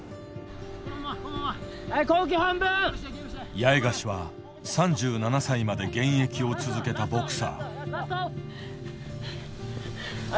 八重樫は３７歳まで現役を続けたボクサー。